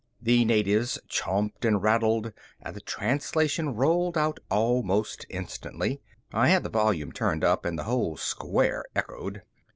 The natives chomped and rattled and the translation rolled out almost instantly. I had the volume turned up and the whole square echoed.